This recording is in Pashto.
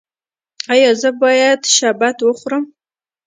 ایا زه باید شبت وخورم؟